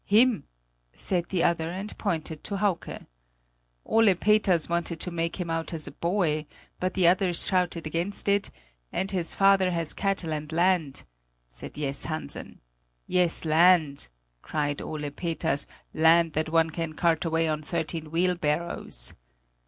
"Him!" said the other, and pointed to Hauke; "Ole Peters wanted to make him out as a boy; but the others shouted against it. 'And his father has cattle and land,' said Jess Hansen. 'Yes, land,' cried Ole Peters, 'land that one can cart away on thirteen wheelbarrows!'